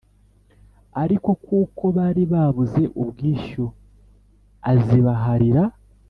Ariko kuko bari babuze ubwishyu azibaharira